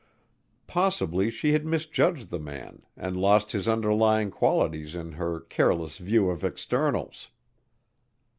Possibly she had misjudged the man and lost his underlying qualities in her careless view of externals.